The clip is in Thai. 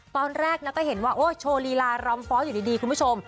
ตอนแรกนะก็เห็นว่าโอ้โชว์ลีลารำฟ้องอยู่ดีคุณผู้ชม